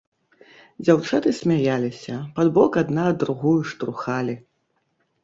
Дзяўчаты смяяліся, пад бок адна другую штурхалі.